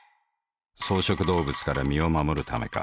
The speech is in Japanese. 草食動物から身を護るためか。